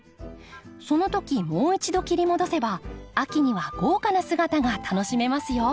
そのときもう一度切り戻せば秋には豪華な姿が楽しめますよ。